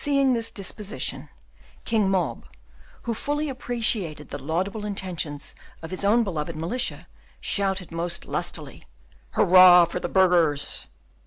Seeing this disposition, King Mob, who fully appreciated the laudable intentions of his own beloved militia, shouted most lustily, "Hurrah for the burghers!"